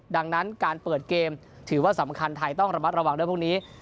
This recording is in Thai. ดังนั้นการเปิดเกมถือว่าสำคัญไทยต้องระมัดระวังด้วยพวกนี้